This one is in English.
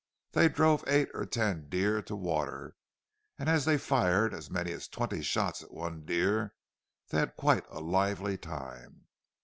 They drove eight or ten deer to water; and as they fired as many as twenty shots at one deer, they had quite a lively time.